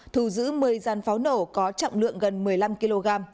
thu giữ một mươi gian pháo nổ có trọng lượng gần một mươi năm kg